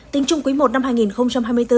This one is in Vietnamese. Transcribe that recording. tính chung quý i năm hai nghìn hai mươi bốn